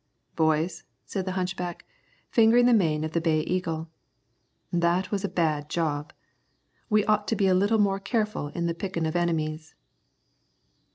"Boys," said the hunchback, fingering the mane of the Bay Eagle, "that was a bad job. We ought to be a little more careful in the pickin' of enemies."